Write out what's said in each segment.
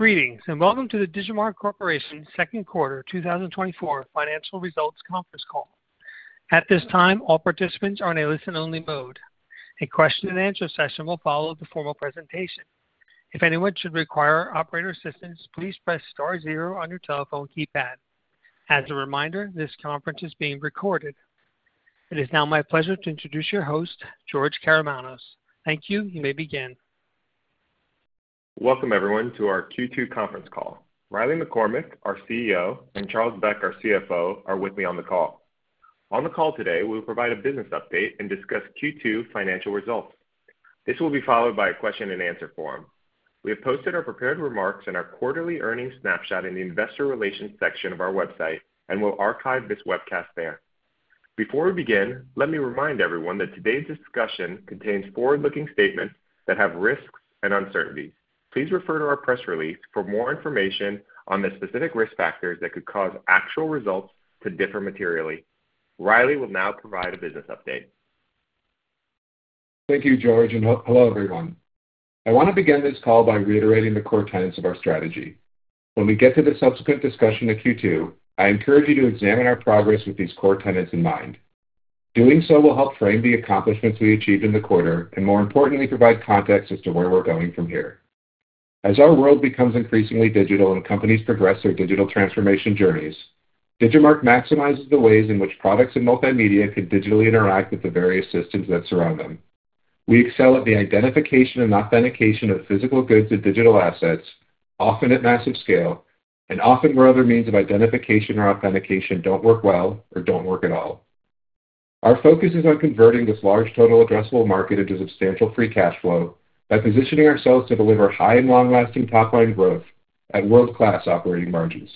Greetings, and welcome to the Digimarc Corporation Second Quarter 2024 Financial Results Conference Call. At this time, all participants are in a listen-only mode. A question-and-answer session will follow the formal presentation. If anyone should require operator assistance, please press star zero on your telephone keypad. As a reminder, this conference is being recorded. It is now my pleasure to introduce your host, George Karamanos. Thank you. You may begin. Welcome, everyone, to our Q2 conference call. Riley McCormack, our CEO, and Charles Beck, our CFO, are with me on the call. On the call today, we'll provide a business update and discuss Q2 financial results. This will be followed by a question-and-answer forum. We have posted our prepared remarks and our quarterly earnings snapshot in the investor relations section of our website, and we'll archive this webcast there. Before we begin, let me remind everyone that today's discussion contains forward-looking statements that have risks and uncertainties. Please refer to our press release for more information on the specific risk factors that could cause actual results to differ materially. Riley will now provide a business update. Thank you, George, and hello, everyone. I want to begin this call by reiterating the core tenets of our strategy. When we get to the subsequent discussion of Q2, I encourage you to examine our progress with these core tenets in mind. Doing so will help frame the accomplishments we achieved in the quarter and, more importantly, provide context as to where we're going from here. As our world becomes increasingly digital and companies progress their digital transformation journeys, Digimarc maximizes the ways in which products and multimedia can digitally interact with the various systems that surround them. We excel at the identification and authentication of physical goods and digital assets, often at massive scale, and often where other means of identification or authentication don't work well or don't work at all. Our focus is on converting this large total addressable market into substantial free cash flow by positioning ourselves to deliver high and long-lasting top-line growth at world-class operating margins.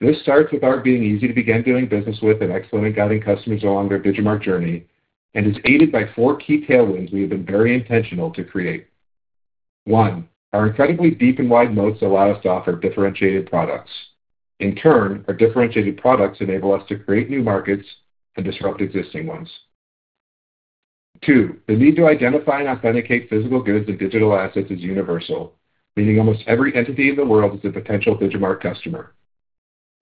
This starts with our being easy to begin doing business with and excellent at guiding customers along their Digimarc journey and is aided by four key tailwinds we have been very intentional to create. One, our incredibly deep and wide moats allow us to offer differentiated products. In turn, our differentiated products enable us to create new markets and disrupt existing ones. Two, the need to identify and authenticate physical goods and digital assets is universal, meaning almost every entity in the world is a potential Digimarc customer.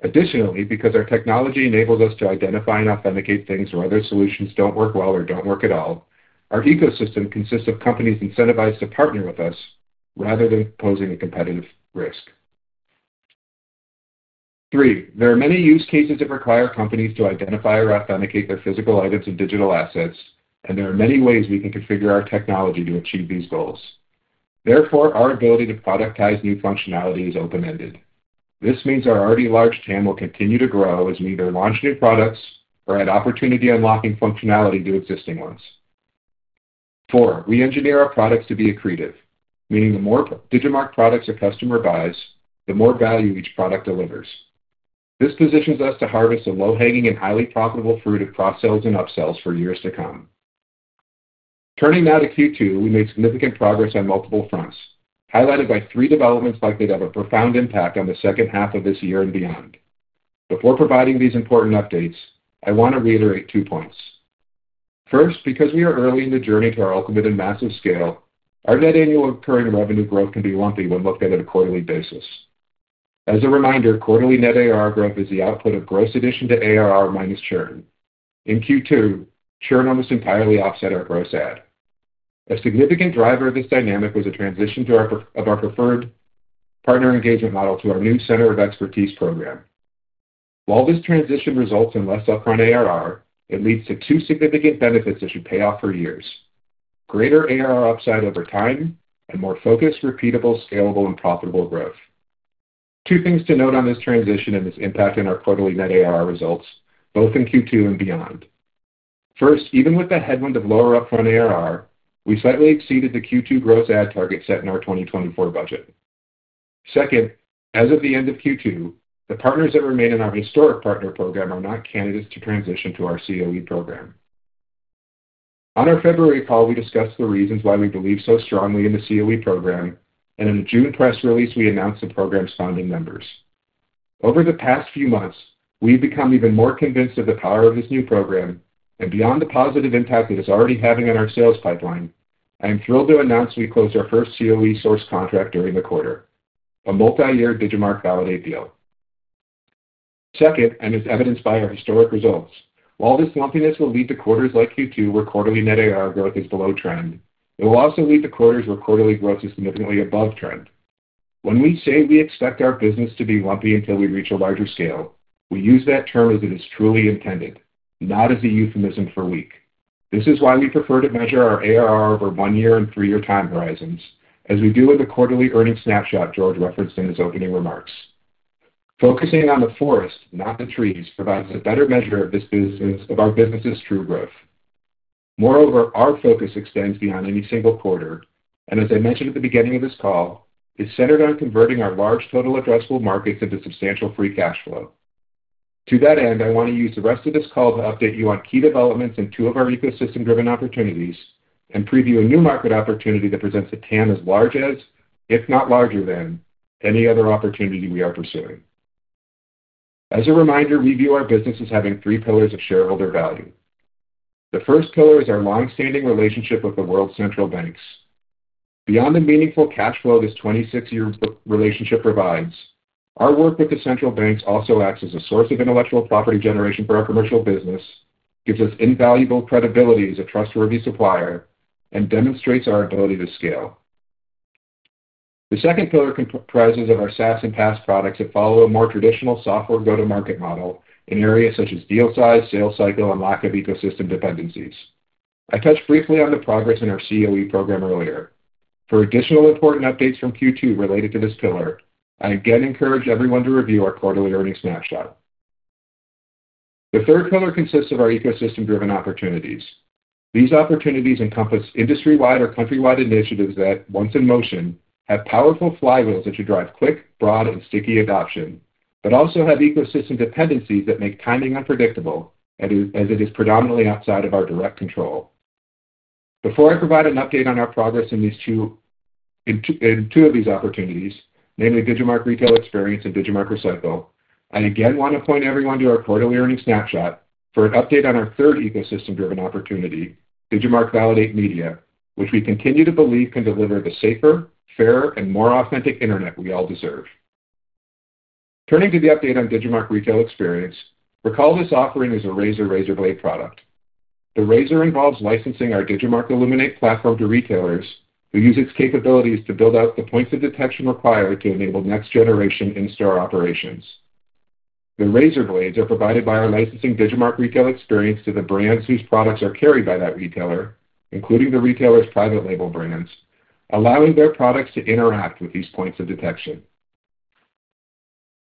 Additionally, because our technology enables us to identify and authenticate things where other solutions don't work well or don't work at all, our ecosystem consists of companies incentivized to partner with us rather than posing a competitive risk. Three, there are many use cases that require companies to identify or authenticate their physical items and digital assets, and there are many ways we can configure our technology to achieve these goals. Therefore, our ability to productize new functionality is open-ended. This means our already large TAM will continue to grow as we either launch new products or add opportunity unlocking functionality to existing ones. Four, we engineer our products to be accretive, meaning the more Digimarc products a customer buys, the more value each product delivers. This positions us to harvest the low-hanging and highly profitable fruit of cross-sells and up-sells for years to come. Turning now to Q2, we made significant progress on multiple fronts, highlighted by three developments likely to have a profound impact on the second half of this year and beyond. Before providing these important updates, I want to reiterate two points. First, because we are early in the journey to our ultimate and massive scale, our net annual recurring revenue growth can be lumpy when looked at on a quarterly basis. As a reminder, quarterly net ARR growth is the output of gross addition to ARR minus churn. In Q2, churn almost entirely offset our gross add. A significant driver of this dynamic was a transition to our preferred partner engagement model to our new Center of Expertise program. While this transition results in less upfront ARR, it leads to two significant benefits that should pay off for years: greater ARR upside over time and more focused, repeatable, scalable, and profitable growth. Two things to note on this transition and its impact on our quarterly net ARR results, both in Q2 and beyond. First, even with the headwind of lower upfront ARR, we slightly exceeded the Q2 gross add target set in our 2024 budget. Second, as of the end of Q2, the partners that remain in our historic partner program are not candidates to transition to our CoE program. On our February call, we discussed the reasons why we believe so strongly in the CoE program, and in the June press release, we announced the program's founding members. Over the past few months, we've become even more convinced of the power of this new program, and beyond the positive impact it is already having on our sales pipeline, I am thrilled to announce we closed our first CoE source contract during the quarter, a multi-year Digimarc Validate deal. Second, and as evidenced by our historic results, while this lumpiness will lead to quarters like Q2, where quarterly net ARR growth is below trend, it will also lead to quarters where quarterly growth is significantly above trend. When we say we expect our business to be lumpy until we reach a larger scale, we use that term as it is truly intended, not as a euphemism for weak. This is why we prefer to measure our ARR over one year and three-year time horizons, as we do in the quarterly earnings snapshot George referenced in his opening remarks. Focusing on the forest, not the trees, provides a better measure of this business, of our business's true growth. Moreover, our focus extends beyond any single quarter, and as I mentioned at the beginning of this call, is centered on converting our large total addressable markets into substantial free cash flow. To that end, I want to use the rest of this call to update you on key developments in two of our ecosystem-driven opportunities and preview a new market opportunity that presents a TAM as large as, if not larger than, any other opportunity we are pursuing.... As a reminder, we view our business as having three pillars of shareholder value. The first pillar is our long-standing relationship with the world's central banks. Beyond the meaningful cash flow this 26-year relationship provides, our work with the central banks also acts as a source of intellectual property generation for our commercial business, gives us invaluable credibility as a trustworthy supplier, and demonstrates our ability to scale. The second pillar comprises of our SaaS and PaaS products that follow a more traditional software go-to-market model in areas such as deal size, sales cycle, and lack of ecosystem dependencies. I touched briefly on the progress in our CoE program earlier. For additional important updates from Q2 related to this pillar, I again encourage everyone to review our quarterly earnings snapshot. The third pillar consists of our ecosystem-driven opportunities. These opportunities encompass industry-wide or country-wide initiatives that, once in motion, have powerful flywheels that should drive quick, broad, and sticky adoption, but also have ecosystem dependencies that make timing unpredictable, as it is predominantly outside of our direct control. Before I provide an update on our progress in two of these opportunities, namely Digimarc Retail Experience and Digimarc Recycle, I again want to point everyone to our quarterly earnings snapshot for an update on our third ecosystem-driven opportunity, Digimarc Validate Media, which we continue to believe can deliver the safer, fairer, and more authentic internet we all deserve. Turning to the update on Digimarc Retail Experience, recall this offering is a razor-razor blade product. The razor involves licensing our Digimarc Illuminate platform to retailers, who use its capabilities to build out the points of detection required to enable next-generation in-store operations. The razor blades are provided by our licensing Digimarc Retail Experience to the brands whose products are carried by that retailer, including the retailer's private label brands, allowing their products to interact with these points of detection.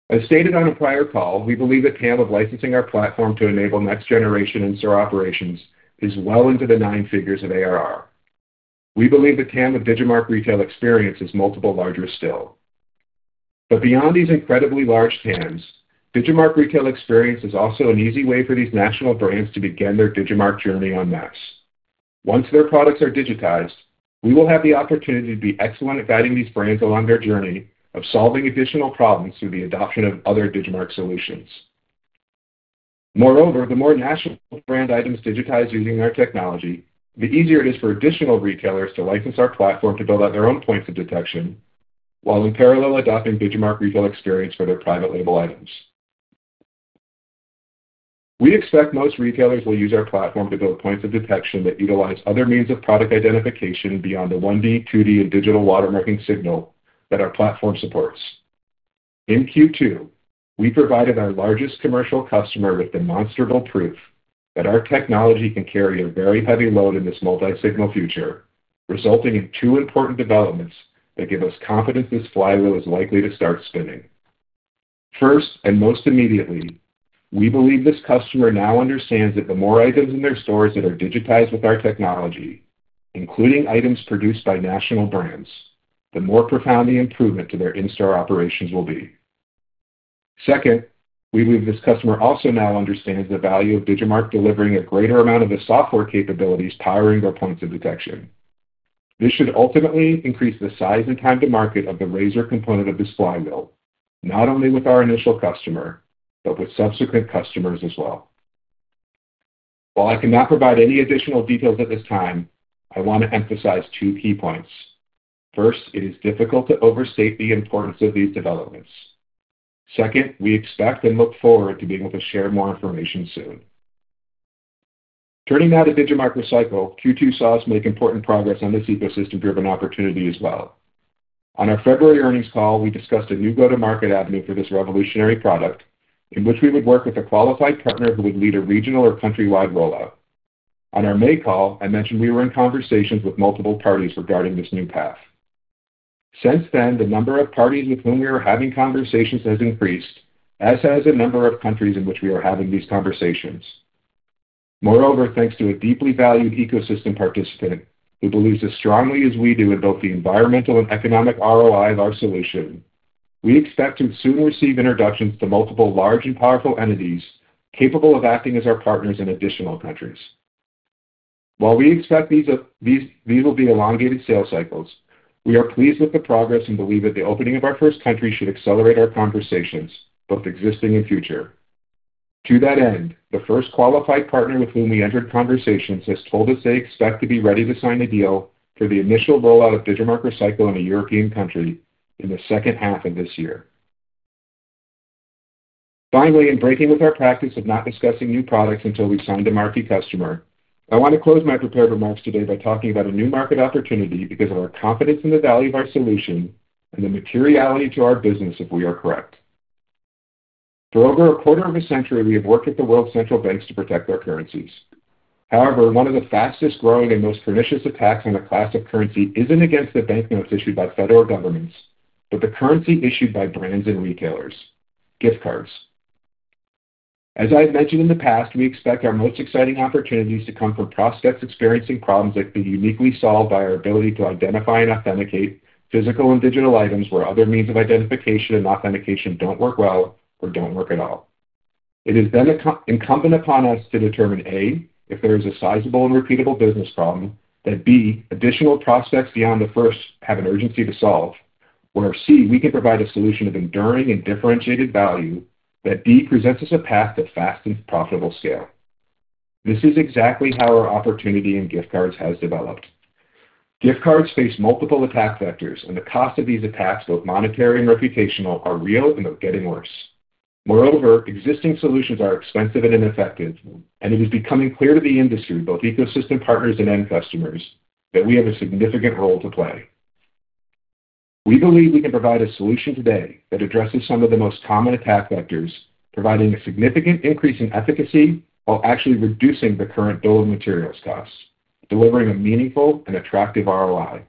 As stated on a prior call, we believe the TAM of licensing our platform to enable next-generation in-store operations is well into the nine figures of ARR. We believe the TAM of Digimarc Retail Experience is multiple larger still. But beyond these incredibly large TAMs, Digimarc Retail Experience is also an easy way for these national brands to begin their Digimarc journey en masse. Once their products are digitized, we will have the opportunity to be excellent at guiding these brands along their journey of solving additional problems through the adoption of other Digimarc solutions. Moreover, the more national brand items digitized using our technology, the easier it is for additional retailers to license our platform to build out their own points of detection, while in parallel, adopting Digimarc Retail Experience for their private label items. We expect most retailers will use our platform to build points of detection that utilize other means of product identification beyond the 1D, 2D, and digital watermarking signal that our platform supports. In Q2, we provided our largest commercial customer with demonstrable proof that our technology can carry a very heavy load in this multi-signal future, resulting in two important developments that give us confidence this flywheel is likely to start spinning. First, and most immediately, we believe this customer now understands that the more items in their stores that are digitized with our technology, including items produced by national brands, the more profound the improvement to their in-store operations will be. Second, we believe this customer also now understands the value of Digimarc delivering a greater amount of the software capabilities powering their points of detection. This should ultimately increase the size and time to market of the razor component of this flywheel, not only with our initial customer, but with subsequent customers as well. While I cannot provide any additional details at this time, I want to emphasize two key points. First, it is difficult to overstate the importance of these developments. Second, we expect and look forward to being able to share more information soon. Turning now to Digimarc Recycle, Q2 saw us make important progress on this ecosystem-driven opportunity as well. On our February earnings call, we discussed a new go-to-market avenue for this revolutionary product, in which we would work with a qualified partner who would lead a regional or countrywide rollout. On our May call, I mentioned we were in conversations with multiple parties regarding this new path. Since then, the number of parties with whom we are having conversations has increased, as has the number of countries in which we are having these conversations. Moreover, thanks to a deeply valued ecosystem participant who believes as strongly as we do in both the environmental and economic ROI of our solution, we expect to soon receive introductions to multiple large and powerful entities capable of acting as our partners in additional countries. While we expect these will be elongated sales cycles, we are pleased with the progress and believe that the opening of our first country should accelerate our conversations, both existing and future. To that end, the first qualified partner with whom we entered conversations has told us they expect to be ready to sign a deal for the initial rollout of Digimarc Recycle in a European country in the second half of this year. Finally, in breaking with our practice of not discussing new products until we've signed a marquee customer, I want to close my prepared remarks today by talking about a new market opportunity because of our confidence in the value of our solution and the materiality to our business, if we are correct. For over a quarter of a century, we have worked with the world's central banks to protect their currencies. However, one of the fastest-growing and most pernicious attacks on the class of currency isn't against the banknotes issued by federal governments, but the currency issued by brands and retailers: gift cards. As I have mentioned in the past, we expect our most exciting opportunities to come from prospects experiencing problems that can be uniquely solved by our ability to identify and authenticate physical and digital items where other means of identification and authentication don't work well or don't work at all. It is then incumbent upon us to determine, A, if there is a sizable and repeatable business problem, that B, additional prospects beyond the first have an urgency to solve, where C, we can provide a solution of enduring and differentiated value, that D, presents us a path to fast and profitable scale. This is exactly how our opportunity in gift cards has developed. Gift cards face multiple attack vectors, and the cost of these attacks, both monetary and reputational, are real, and they're getting worse. Moreover, existing solutions are expensive and ineffective, and it is becoming clear to the industry, both ecosystem partners and end customers, that we have a significant role to play. We believe we can provide a solution today that addresses some of the most common attack vectors, providing a significant increase in efficacy while actually reducing the current bill of materials costs, delivering a meaningful and attractive ROI.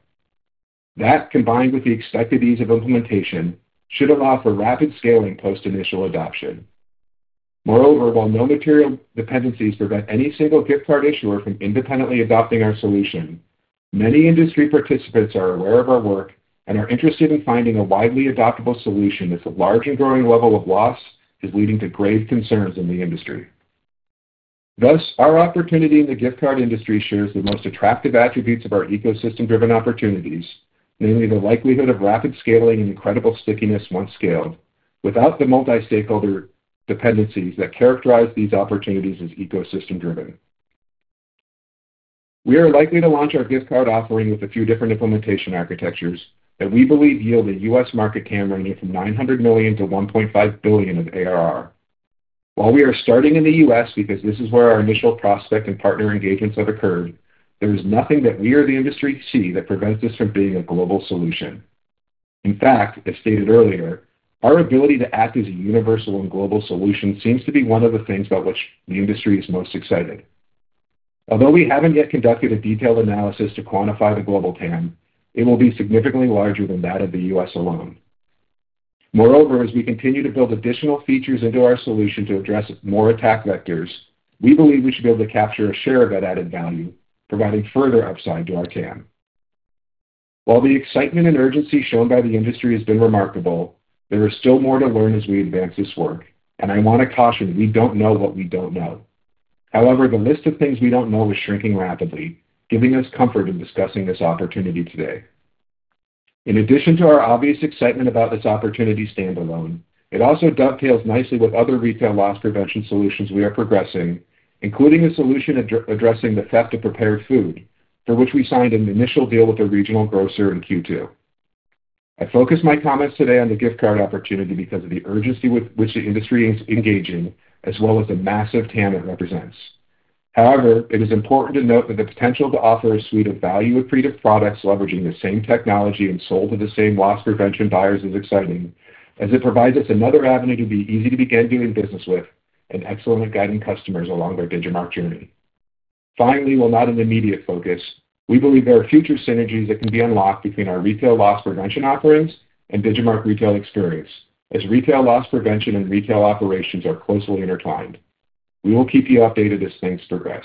That, combined with the expected ease of implementation, should allow for rapid scaling post initial adoption. Moreover, while no material dependencies prevent any single gift card issuer from independently adopting our solution, many industry participants are aware of our work and are interested in finding a widely adoptable solution, as a large and growing level of loss is leading to grave concerns in the industry. Thus, our opportunity in the gift card industry shares the most attractive attributes of our ecosystem-driven opportunities, namely, the likelihood of rapid scaling and incredible stickiness once scaled, without the multi-stakeholder dependencies that characterize these opportunities as ecosystem-driven. We are likely to launch our gift card offering with a few different implementation architectures that we believe yield a U.S. market TAM ranging from $900 million to $1.5 billion of ARR. While we are starting in the U.S. because this is where our initial prospect and partner engagements have occurred, there is nothing that we or the industry see that prevents this from being a global solution. In fact, as stated earlier, our ability to act as a universal and global solution seems to be one of the things about which the industry is most excited. Although we haven't yet conducted a detailed analysis to quantify the global TAM, it will be significantly larger than that of the U.S. alone. Moreover, as we continue to build additional features into our solution to address more attack vectors, we believe we should be able to capture a share of that added value, providing further upside to our TAM. While the excitement and urgency shown by the industry has been remarkable, there is still more to learn as we advance this work, and I want to caution, we don't know what we don't know. However, the list of things we don't know is shrinking rapidly, giving us comfort in discussing this opportunity today. In addition to our obvious excitement about this opportunity standalone, it also dovetails nicely with other retail loss prevention solutions we are progressing, including a solution addressing the theft of prepared food, for which we signed an initial deal with a regional grocer in Q2. I focus my comments today on the gift card opportunity because of the urgency with which the industry is engaging, as well as the massive TAM it represents. However, it is important to note that the potential to offer a suite of value-accretive products, leveraging the same technology and sold to the same loss prevention buyers, is exciting, as it provides us another avenue to be easy to begin doing business with and excellent at guiding customers along their Digimarc journey. Finally, while not an immediate focus, we believe there are future synergies that can be unlocked between our retail loss prevention offerings and Digimarc Retail Experience, as retail loss prevention and retail operations are closely intertwined. We will keep you updated as things progress.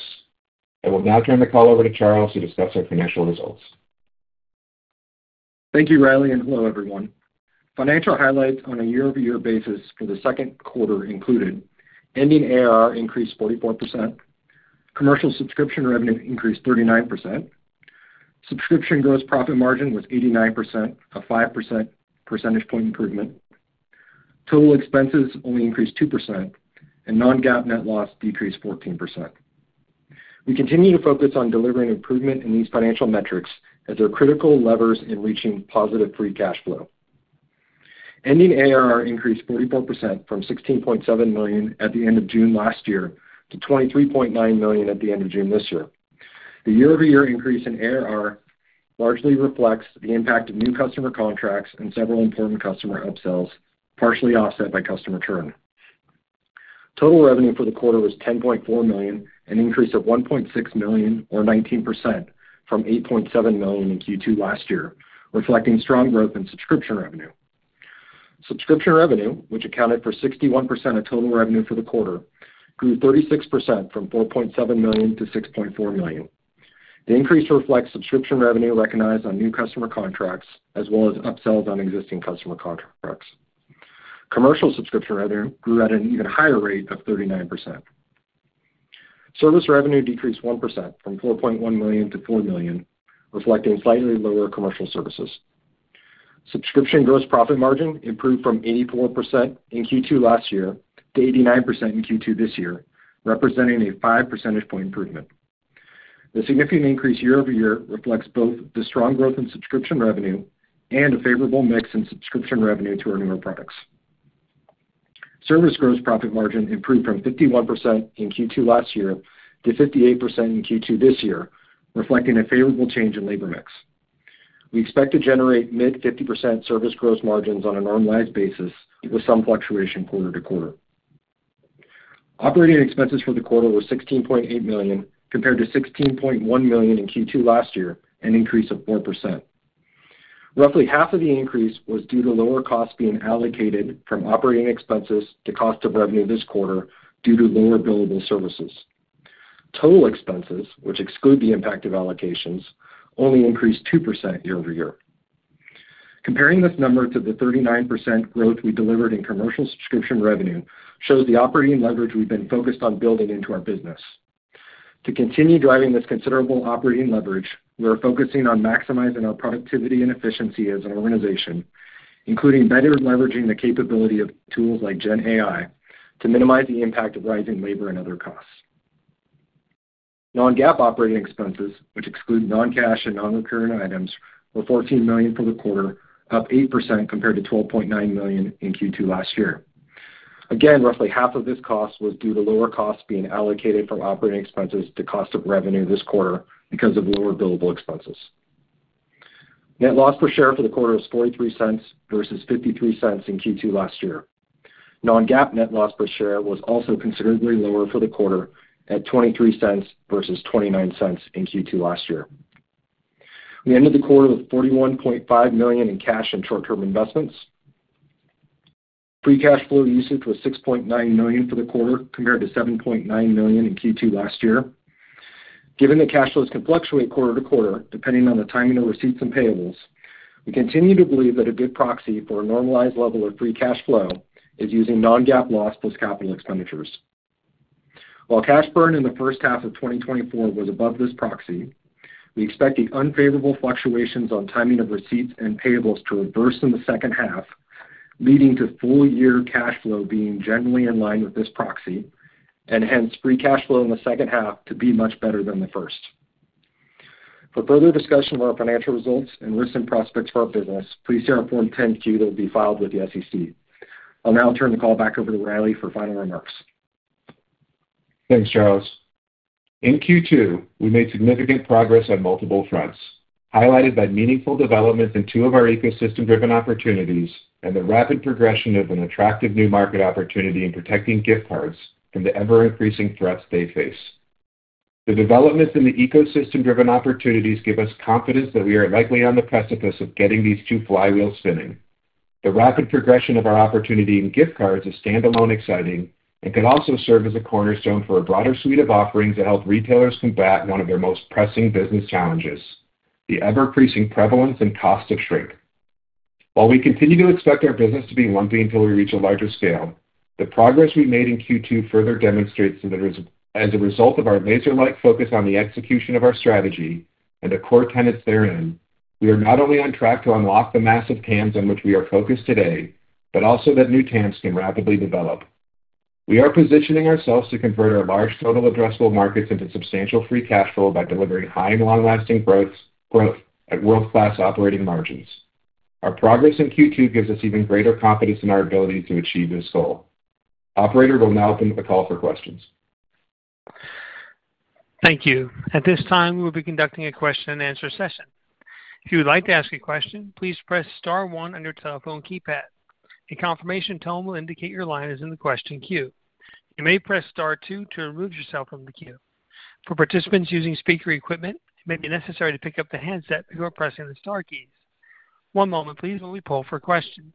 I will now turn the call over to Charles to discuss our financial results. Thank you, Riley, and hello, everyone. Financial highlights on a year-over-year basis for the second quarter included: ending ARR increased 44%, commercial subscription revenue increased 39%, subscription gross profit margin was 89%, a 5 percentage point improvement, total expenses only increased 2%, and non-GAAP net loss decreased 14%. We continue to focus on delivering improvement in these financial metrics as they're critical levers in reaching positive free cash flow. Ending ARR increased 44% from $16.7 million at the end of June last year to $23.9 million at the end of June this year. The year-over-year increase in ARR largely reflects the impact of new customer contracts and several important customer upsells, partially offset by customer churn. Total revenue for the quarter was $10.4 million, an increase of $1.6 million or 19% from $8.7 million in Q2 last year, reflecting strong growth in subscription revenue. Subscription revenue, which accounted for 61% of total revenue for the quarter, grew 36% from $4.7 million to 6.4 million. The increase reflects subscription revenue recognized on new customer contracts, as well as upsells on existing customer contracts. Commercial subscription, rather, grew at an even higher rate of 39%. Service revenue decreased 1% from $4.1 million to 4 million, reflecting slightly lower commercial services. Subscription gross profit margin improved from 84% in Q2 last year to 89% in Q2 this year, representing a five percentage point improvement. The significant increase year-over-year reflects both the strong growth in subscription revenue and a favorable mix in subscription revenue to our newer products. Service gross profit margin improved from 51% in Q2 last year to 58% in Q2 this year, reflecting a favorable change in labor mix. We expect to generate mid-50% service gross margins on a normalized basis, with some fluctuation quarter-to-quarter. Operating expenses for the quarter were $16.8 million, compared to $16.1 million in Q2 last year, an increase of 4%. Roughly half of the increase was due to lower costs being allocated from operating expenses to cost of revenue this quarter due to lower billable services. Total expenses, which exclude the impact of allocations, only increased 2% year-over-year.... Comparing this number to the 39% growth we delivered in commercial subscription revenue shows the operating leverage we've been focused on building into our business. To continue driving this considerable operating leverage, we are focusing on maximizing our productivity and efficiency as an organization, including better leveraging the capability of tools like Gen AI, to minimize the impact of rising labor and other costs. Non-GAAP operating expenses, which exclude non-cash and non-recurring items, were $14 million for the quarter, up 8% compared to $12.9 million in Q2 last year. Again, roughly half of this cost was due to lower costs being allocated from operating expenses to cost of revenue this quarter because of lower billable expenses. Net loss per share for the quarter was $0.43 versus $0.53 in Q2 last year. Non-GAAP net loss per share was also considerably lower for the quarter, at $0.23 versus $0.29 in Q2 last year. We ended the quarter with $41.5 million in cash and short-term investments. Free cash flow usage was $6.9 million for the quarter, compared to $7.9 million in Q2 last year. Given the cash flows can fluctuate quarter to quarter, depending on the timing of receipts and payables, we continue to believe that a good proxy for a normalized level of free cash flow is using non-GAAP loss plus capital expenditures. While cash burn in the first half of 2024 was above this proxy, we expect the unfavorable fluctuations on timing of receipts and payables to reverse in the second half, leading to full-year cash flow being generally in line with this proxy, and hence free cash flow in the second half to be much better than the first. For further discussion of our financial results and risks and prospects for our business, please see our Form 10-Q that will be filed with the SEC. I'll now turn the call back over to Riley for final remarks. Thanks, Charles. In Q2, we made significant progress on multiple fronts, highlighted by meaningful developments in two of our ecosystem-driven opportunities and the rapid progression of an attractive new market opportunity in protecting gift cards from the ever-increasing threats they face. The developments in the ecosystem-driven opportunities give us confidence that we are likely on the precipice of getting these two flywheels spinning. The rapid progression of our opportunity in gift cards is standalone exciting and could also serve as a cornerstone for a broader suite of offerings to help retailers combat one of their most pressing business challenges, the ever-increasing prevalence and cost of shrink. While we continue to expect our business to be lumpy until we reach a larger scale, the progress we made in Q2 further demonstrates that as a result of our laser-like focus on the execution of our strategy and the core tenets therein, we are not only on track to unlock the massive TAMs on which we are focused today, but also that new TAMs can rapidly develop. We are positioning ourselves to convert our large total addressable markets into substantial free cash flow by delivering high and long-lasting growth at world-class operating margins. Our progress in Q2 gives us even greater confidence in our ability to achieve this goal. Operator, we'll now open the call for questions. Thank you. At this time, we will be conducting a question-and-answer session. If you would like to ask a question, please press star one on your telephone keypad. A confirmation tone will indicate your line is in the question queue. You may press star two to remove yourself from the queue. For participants using speaker equipment, it may be necessary to pick up the handset if you are pressing the star keys. One moment please, while we pull for questions.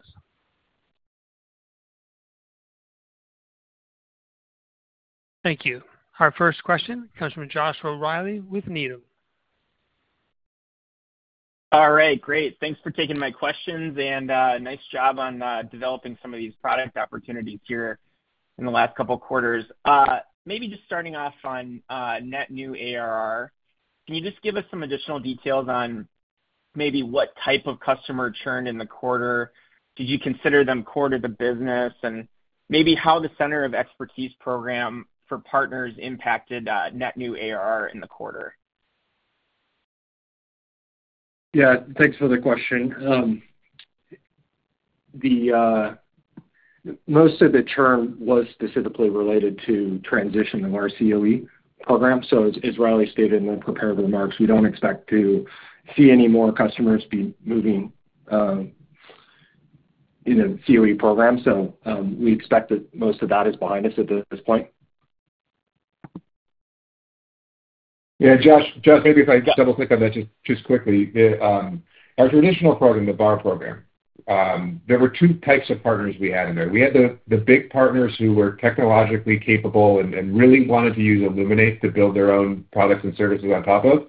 Thank you. Our first question comes from Joshua Reilly with Needham. All right, great. Thanks for taking my questions, and nice job on developing some of these product opportunities here in the last couple of quarters. Maybe just starting off on net new ARR. Can you just give us some additional details on maybe what type of customer churned in the quarter? Did you consider them core to the business, and maybe how the Center of Expertise program for partners impacted net new ARR in the quarter? Yeah, thanks for the question. The most of the churn was specifically related to transition in our CoE program. So as Riley stated in the prepared remarks, we don't expect to see any more customers be moving in a CoE program. So, we expect that most of that is behind us at this point. Yeah, Josh, Josh, maybe if I just double-click on that just quickly. Our traditional program, the VAR program, there were two types of partners we had in there. We had the big partners who were technologically capable and really wanted to use Illuminate to build their own products and services on top of.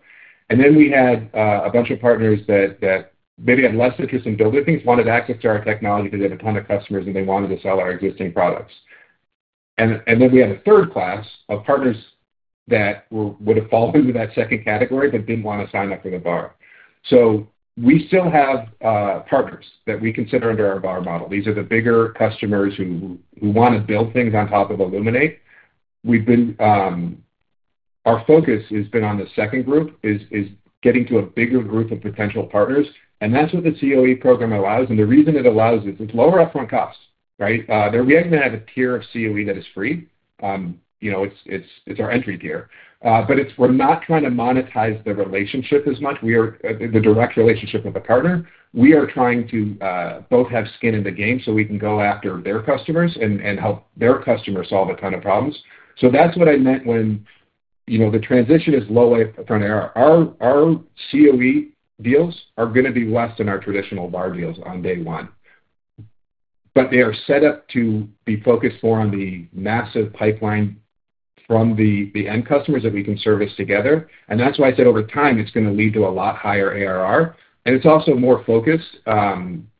And then we had a bunch of partners that maybe had less interest in building things, wanted access to our technology because they had a ton of customers, and they wanted to sell our existing products. And then we had a third class of partners that would have fallen into that second category but didn't want to sign up for the VAR. So we still have partners that we consider under our VAR model. These are the bigger customers who wanna build things on top of Illuminate. We've been. Our focus has been on the second group, getting to a bigger group of potential partners, and that's what the CoE program allows. The reason it allows is it's lower upfront costs, right? There, we actually have a tier of CoE that is free. You know, it's our entry tier. But, we're not trying to monetize the relationship as much. The direct relationship with the partner. We are trying to both have skin in the game so we can go after their customers and help their customers solve a ton of problems. So that's what I meant when, you know, the transition is a long way from there. Our CoE deals are gonna be less than our traditional ARR deals on day one, but they are set up to be focused more on the massive pipeline from the end customers that we can service together. And that's why I said over time, it's gonna lead to a lot higher ARR, and it's also more focused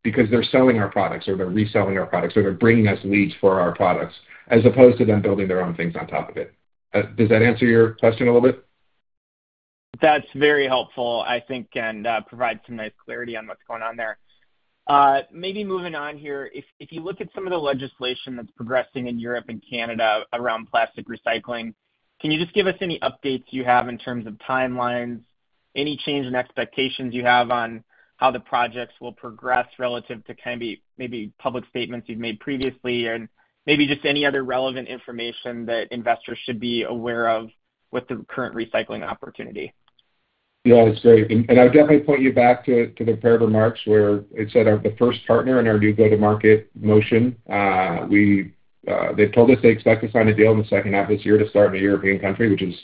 because they're selling our products or they're reselling our products, or they're bringing us leads for our products, as opposed to them building their own things on top of it. Does that answer your question a little bit? That's very helpful, I think, and provides some nice clarity on what's going on there. Maybe moving on here. If you look at some of the legislation that's progressing in Europe and Canada around plastic recycling, can you just give us any updates you have in terms of timelines, any change in expectations you have on how the projects will progress relative to kind of be maybe public statements you've made previously, and maybe just any other relevant information that investors should be aware of with the current recycling opportunity? Yeah, that's great. And I would definitely point you back to the prepared remarks, where it said our the first partner in our new go-to-market motion. They've told us they expect to sign a deal in the second half of this year to start in a European country, which is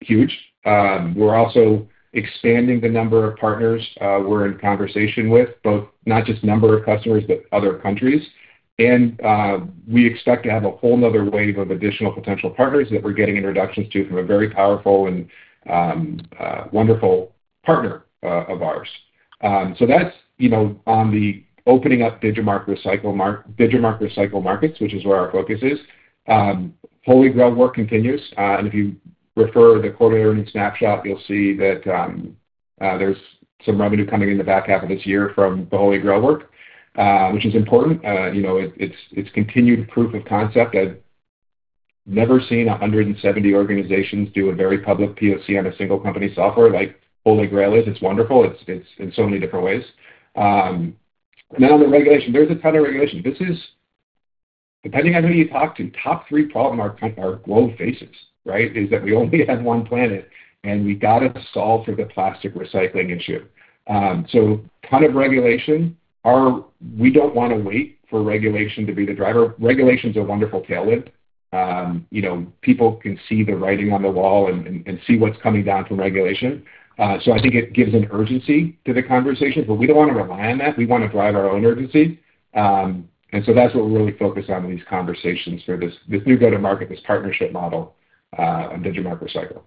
huge. We're also expanding the number of partners we're in conversation with, both not just number of customers, but other countries. And we expect to have a whole another wave of additional potential partners that we're getting introductions to from a very powerful and wonderful partner of ours. So that's, you know, on the opening up Digimarc Recycle mar- Digimarc Recycle markets, which is where our focus is. Holy Grail work continues. And if you refer the quarterly earnings snapshot, you'll see that, there's some revenue coming in the back half of this year from the Holy Grail work, which is important. You know, it's continued proof of concept. I've never seen 170 organizations do a very public POC on a single company software like Holy Grail is. It's wonderful. It's in so many different ways. Now on the regulation. There's a ton of regulation. This is, depending on who you talk to, top three problem our globe faces, right? Is that we only have one planet, and we gotta solve for the plastic recycling issue. So ton of regulation. We don't wanna wait for regulation to be the driver. Regulation's a wonderful tailwind. You know, people can see the writing on the wall and see what's coming down from regulation. So I think it gives an urgency to the conversation, but we don't wanna rely on that. We wanna drive our own urgency. And so that's what we're really focused on in these conversations for this new go-to-market, this partnership model, on Digimarc Recycle.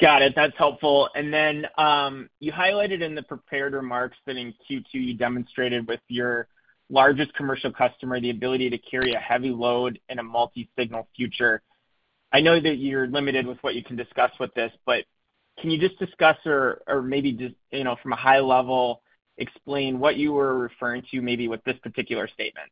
Got it. That's helpful. And then, you highlighted in the prepared remarks that in Q2, you demonstrated with your largest commercial customer, the ability to carry a heavy load in a multi-signal future. I know that you're limited with what you can discuss with this, but can you just discuss or, or maybe just, you know, from a high level, explain what you were referring to maybe with this particular statement?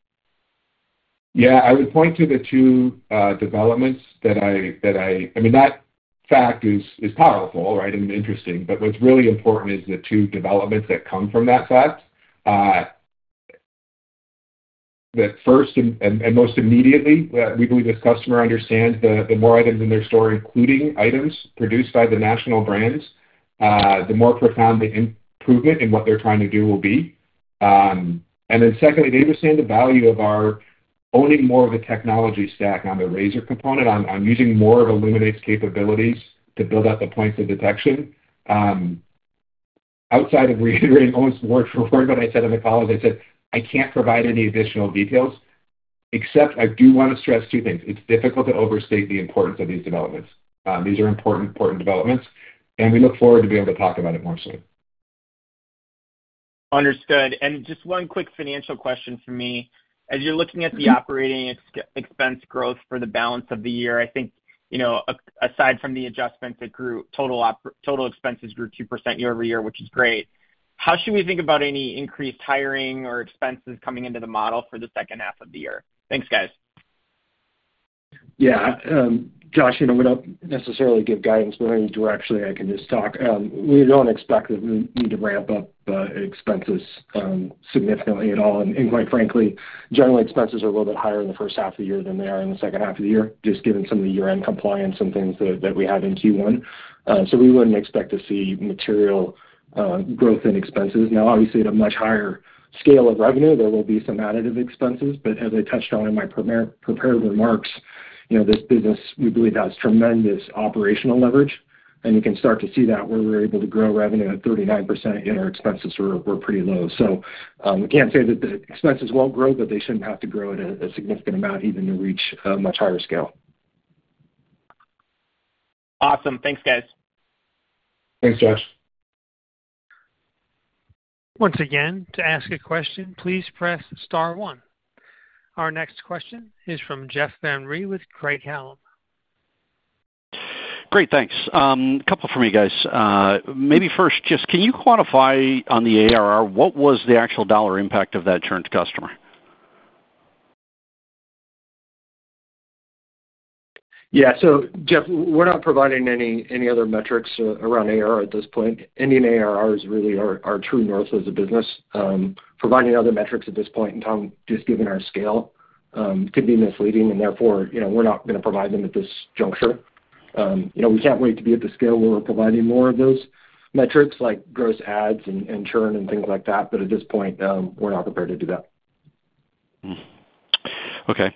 Yeah, I would point to the two developments that I mean, that fact is powerful, right? And interesting. But what's really important is the two developments that come from that fact. The first and most immediately, we believe this customer understands the more items in their store, including items produced by the national brands, the more profound the improvement in what they're trying to do will be. And then secondly, they understand the value of our owning more of a technology stack on the Razor component, using more of Illuminate's capabilities to build out the points of detection. Outside of reiterating almost word for word what I said on the call, is I said, I can't provide any additional details, except I do wanna stress two things: It's difficult to overstate the importance of these developments. These are important, important developments, and we look forward to being able to talk about it more soon. Understood. Just one quick financial question for me. As you're looking at the operating expense growth for the balance of the year, I think, you know, aside from the adjustments that grew, total operating expenses grew 2% year-over-year, which is great. How should we think about any increased hiring or expenses coming into the model for the second half of the year? Thanks, guys. Yeah, Josh, you know, we don't necessarily give guidance, but I directly, I can just talk. We don't expect that we need to ramp up, expenses, significantly at all. And quite frankly, generally, expenses are a little bit higher in the first half of the year than they are in the second half of the year, just given some of the year-end compliance and things that we had in Q1. So we wouldn't expect to see material, growth in expenses. Now, obviously, at a much higher scale of revenue, there will be some additive expenses, but as I touched on in my prepared remarks, you know, this business, we believe, has tremendous operational leverage, and you can start to see that where we're able to grow revenue at 39%, yet our expenses were pretty low. So, we can't say that the expenses won't grow, but they shouldn't have to grow at a significant amount even to reach a much higher scale. Awesome. Thanks, guys. Thanks, Josh. Once again, to ask a question, please press star one. Our next question is from Jeff Van Rhee with Craig-Hallum. Great, thanks. A couple from you guys. Maybe first, just can you quantify on the ARR, what was the actual dollar impact of that churned customer? Yeah. So, Jeff, we're not providing any other metrics around ARR at this point. Ending ARR is really our true north as a business. Providing other metrics at this point in time, just given our scale, could be misleading, and therefore, you know, we're not gonna provide them at this juncture. You know, we can't wait to be at the scale where we're providing more of those metrics, like gross adds and churn and things like that, but at this point, we're not prepared to do that. Hmm. Okay,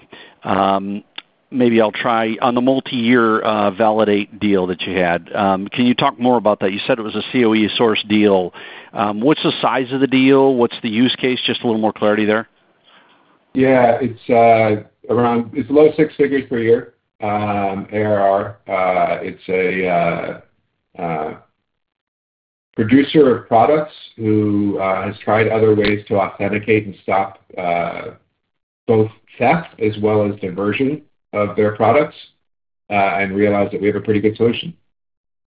maybe I'll try. On the multi-year Validate deal that you had, can you talk more about that? You said it was a CoE source deal. What's the size of the deal? What's the use case? Just a little more clarity there.... Yeah, it's around, it's low six figures per year ARR. It's a producer of products who has tried other ways to authenticate and stop both theft as well as diversion of their products, and realized that we have a pretty good solution.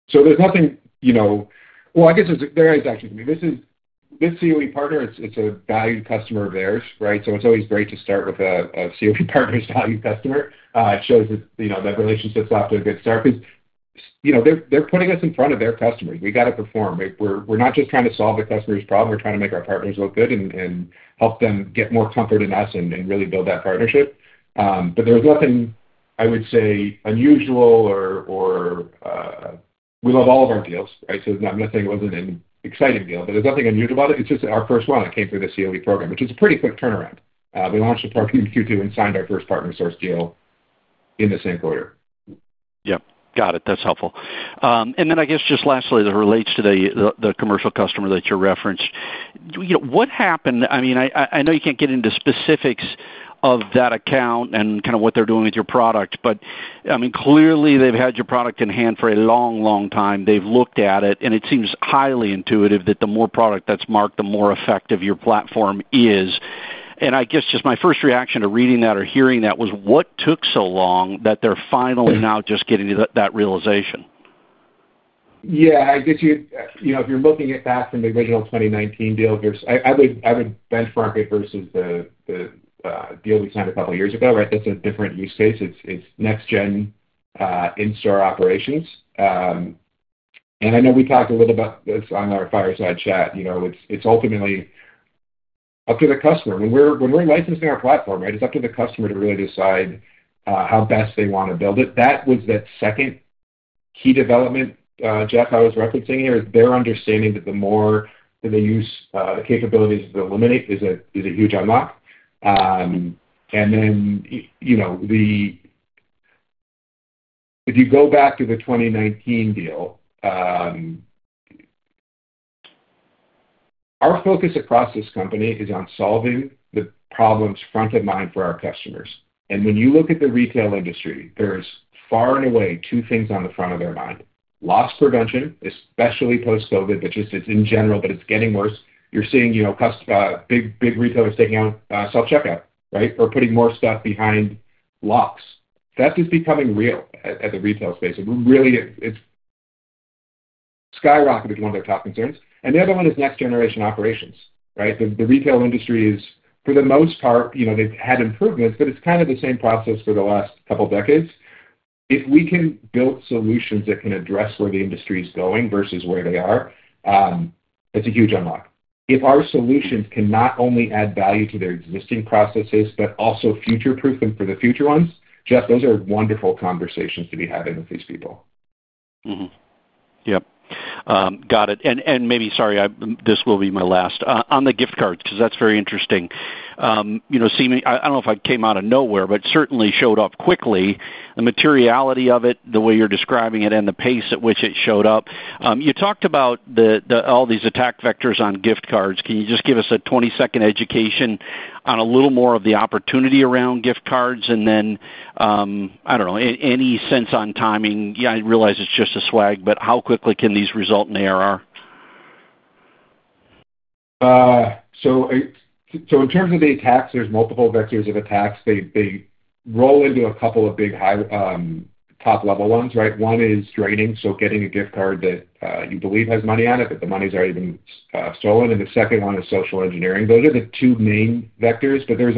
So there's nothing, you know... Well, I guess there is actually, this is this CoE partner, it's a valued customer of theirs, right? So it's always great to start with a CoE partner's valued customer. It shows that, you know, that relationship's off to a good start, because, you know, they're putting us in front of their customers. We got to perform. We're not just trying to solve the customer's problem. We're trying to make our partners look good and help them get more comfort in us and really build that partnership. But there was nothing, I would say, unusual or we love all of our deals, right? So I'm not saying it wasn't an exciting deal, but there's nothing unusual about it. It's just our first one that came through the CoE program, which is a pretty quick turnaround. We launched the program in Q2 and signed our first partner source deal in the same quarter. Yep, got it. That's helpful. And then I guess just lastly, that relates to the commercial customer that you referenced. You know, what happened? I mean, I know you can't get into specifics of that account and kind of what they're doing with your product, but, I mean, clearly, they've had your product in hand for a long, long time. They've looked at it, and it seems highly intuitive that the more product that's marked, the more effective your platform is. And I guess just my first reaction to reading that or hearing that was, what took so long, that they're finally now just getting to that realization? Yeah, I guess you know, if you're looking at that from the original 2019 deal, there's... I would benchmark it versus the deal we signed a couple of years ago, right? That's a different use case. It's next-gen in-store operations. And I know we talked a little about this on our fireside chat. You know, it's ultimately up to the customer. When we're licensing our platform, right, it's up to the customer to really decide how best they want to build it. That was that second key development, Jeff, I was referencing here, is their understanding that the more that they use the capabilities to Illuminate is a huge unlock. And then, you know, if you go back to the 2019 deal, our focus across this company is on solving the problems front of mind for our customers. And when you look at the retail industry, there's far and away two things on the front of their mind: loss prevention, especially post-COVID, which is in general, but it's getting worse. You're seeing, you know, big, big retailers taking out self-checkout, right? Or putting more stuff behind locks. That is becoming real at the retail space. It really, it's skyrocketed as one of their top concerns, and the other one is next-generation operations, right? The retail industry is, for the most part, you know, they've had improvements, but it's kind of the same process for the last couple of decades. If we can build solutions that can address where the industry is going versus where they are, it's a huge unlock. If our solutions can not only add value to their existing processes, but also future-proof them for the future ones, Jeff, those are wonderful conversations to be having with these people. Mm-hmm. Yep. Got it. And maybe... Sorry, this will be my last. On the gift cards, because that's very interesting. You know, seeming, I don't know if I came out of nowhere, but certainly showed up quickly, the materiality of it, the way you're describing it, and the pace at which it showed up. You talked about all these attack vectors on gift cards. Can you just give us a 20-second education on a little more of the opportunity around gift cards? And then, I don't know, any sense on timing? Yeah, I realize it's just a swag, but how quickly can these result in ARR? So in terms of the attacks, there's multiple vectors of attacks. They roll into a couple of big, high, top-level ones, right? One is draining, so getting a gift card that you believe has money on it, but the money's already been stolen, and the second one is social engineering. Those are the two main vectors, but there's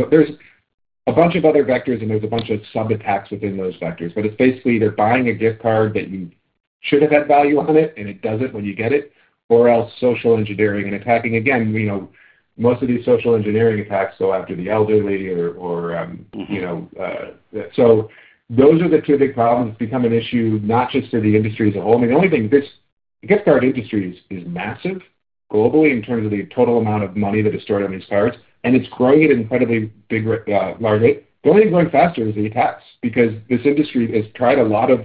a bunch of other vectors, and there's a bunch of sub-attacks within those vectors. But it's basically either buying a gift card that you should have had value on it, and it doesn't when you get it, or else social engineering and attacking. Again, you know, most of these social engineering attacks go after the elderly or Mm-hmm. You know, so those are the two big problems that become an issue, not just to the industry as a whole. I mean, the only thing, this gift card industry is, is massive globally in terms of the total amount of money that is stored on these cards, and it's growing at an incredibly big, large rate. The only thing growing faster is the attacks, because this industry has tried a lot of,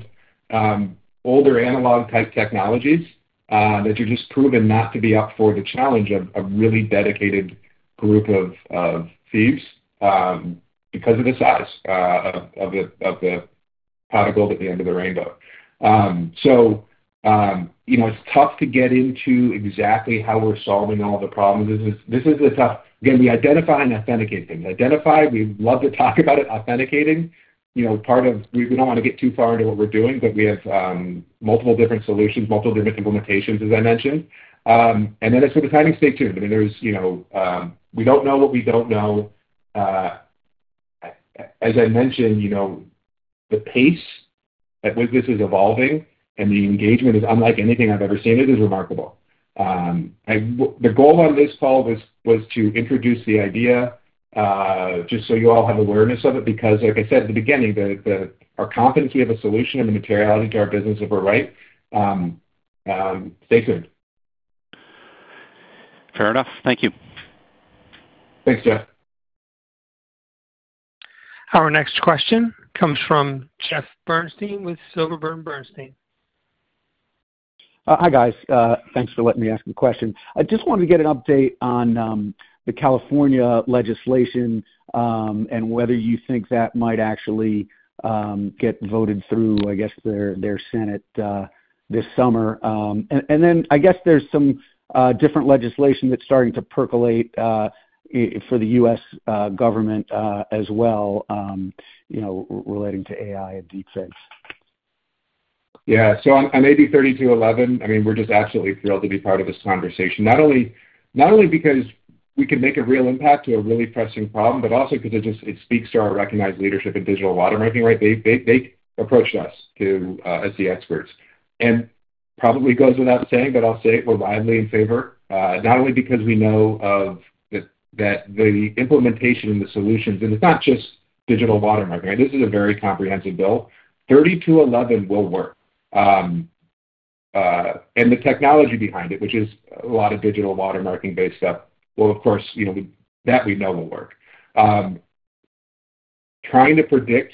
older analog-type technologies, that are just proven not to be up for the challenge of, really dedicated group of, thieves, because of the size, of the, of the pot of gold at the end of the rainbow. So, you know, it's tough to get into exactly how we're solving all the problems. This is, this is a tough... Again, we identify and authenticate things. Identify, we love to talk about it. Authenticating, you know, part of... We, we don't want to get too far into what we're doing, but we have multiple different solutions, multiple different implementations, as I mentioned. And then as for the timing, stay tuned. I mean, there's, you know, we don't know what we don't know. As I mentioned, you know, the pace at which this is evolving and the engagement is unlike anything I've ever seen, it is remarkable. The goal on this call was, was to introduce the idea, just so you all have awareness of it, because like I said at the beginning, the, the, our competency of a solution and the materiality to our business, if we're right, stay tuned. Fair enough. Thank you. Thanks, Jeff. Our next question comes from Jeff Bernstein with Silverberg Bernstein.... Hi, guys. Thanks for letting me ask a question. I just wanted to get an update on the California legislation, and whether you think that might actually get voted through, I guess, their Senate this summer. And then I guess there's some different legislation that's starting to percolate for the US government as well, you know, relating to AI and deepfakes. Yeah. So on AB 3211, I mean, we're just absolutely thrilled to be part of this conversation. Not only because we can make a real impact to a really pressing problem, but also because it just speaks to our recognized leadership in digital watermarking, right? They approached us as the experts, and probably goes without saying, but I'll say it, we're wildly in favor, not only because we know that the implementation and the solutions, and it's not just digital watermarking. This is a very comprehensive bill. 3211 will work. And the technology behind it, which is a lot of digital watermarking-based stuff, will of course, you know, that we know will work. Trying to predict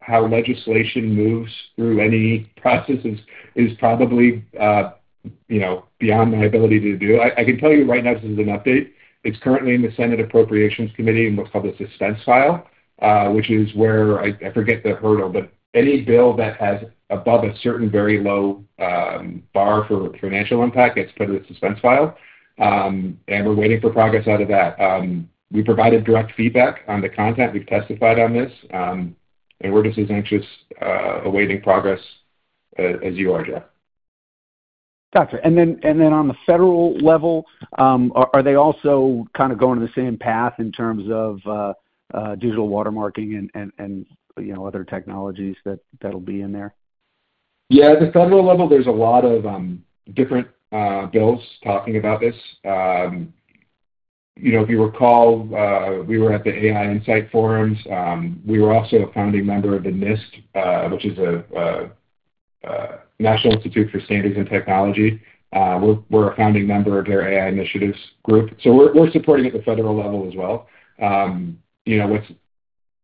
how legislation moves through any process is probably, you know, beyond my ability to do. I can tell you right now, this is an update. It's currently in the Senate Appropriations Committee in what's called the Suspense File, which is where, I forget the hurdle, but any bill that has above a certain very low bar for financial impact gets put in a Suspense File. And we're waiting for progress out of that. We provided direct feedback on the content. We've testified on this. And we're just as anxious awaiting progress as you are, Jeff. Gotcha. And then on the federal level, are they also kind of going the same path in terms of digital watermarking and you know other technologies that that'll be in there? Yeah, at the federal level, there's a lot of different bills talking about this. You know, if you recall, we were at the AI Insight Forums. We were also a founding member of the NIST, which is a National Institute for Standards and Technology. We're a founding member of their AI initiatives group, so we're supporting at the federal level as well. You know, what's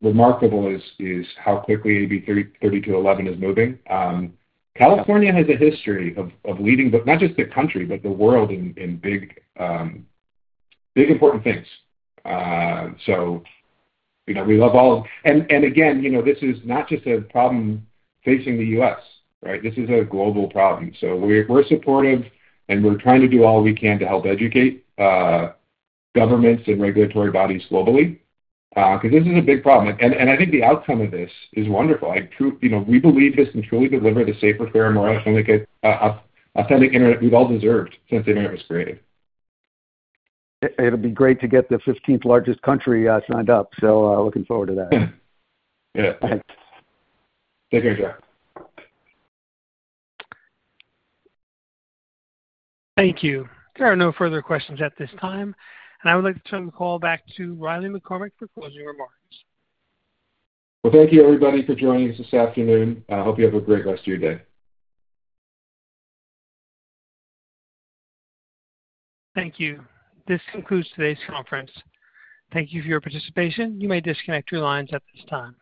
remarkable is how quickly AB 3211 is moving. California has a history of leading, but not just the country, but the world in big, important things. So, you know, we love all of... And again, you know, this is not just a problem facing the US, right? This is a global problem. So we're supportive, and we're trying to do all we can to help educate governments and regulatory bodies globally, because this is a big problem. And I think the outcome of this is wonderful. I truly, you know, we believe this can truly deliver the safer, fairer, more authentic, authentic internet we've all deserved since the internet was created. It'll be great to get the fifteenth largest country signed up, so looking forward to that. Yeah. Thanks. Take care, Jeff. Thank you. There are no further questions at this time, and I would like to turn the call back to Riley McCormack for closing remarks. Well, thank you, everybody, for joining us this afternoon. I hope you have a great rest of your day. Thank you. This concludes today's conference. Thank you for your participation. You may disconnect your lines at this time.